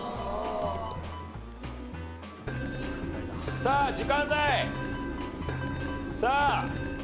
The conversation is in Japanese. さあ時間ない！さあ。